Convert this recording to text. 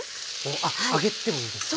あっ揚げてもいいんですね。